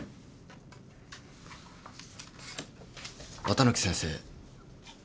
綿貫先生。